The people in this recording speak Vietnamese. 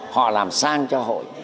họ làm sang cho hội